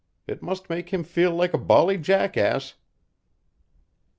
It must make him feel like a bally jackass."